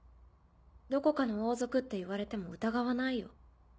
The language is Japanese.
どこかの王族って言われても疑わないよ。